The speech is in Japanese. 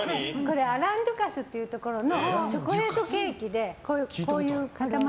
アラン・デュカスというところのチョコレートケーキで。